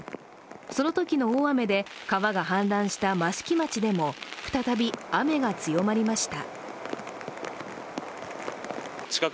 そのときの大雨で川が氾濫した益城町でも再び雨が強まりました。